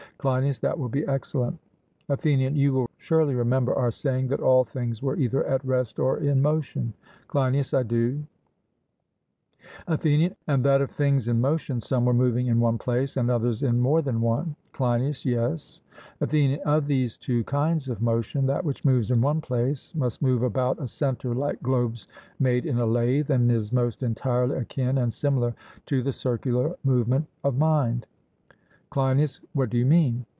CLEINIAS: That will be excellent. ATHENIAN: You will surely remember our saying that all things were either at rest or in motion? CLEINIAS: I do. ATHENIAN: And that of things in motion some were moving in one place, and others in more than one? CLEINIAS: Yes. ATHENIAN: Of these two kinds of motion, that which moves in one place must move about a centre like globes made in a lathe, and is most entirely akin and similar to the circular movement of mind. CLEINIAS: What do you mean?